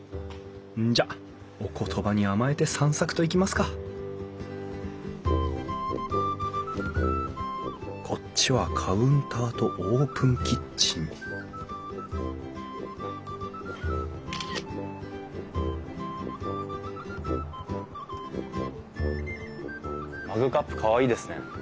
じゃお言葉に甘えて散策といきますかこっちはカウンターとオープンキッチンマグカップかわいいですね。